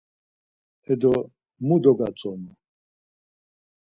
E do, mu dogatzonu?